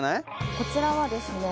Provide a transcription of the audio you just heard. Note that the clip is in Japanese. こちらはですね